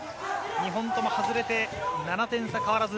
２本とも外れて７点差変わらず。